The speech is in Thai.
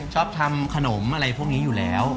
ชอบทำขนมอะไรพวกนี้อยู่แล้ว